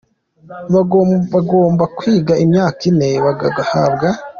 bagomba kwiga imyaka ine bagahabwa.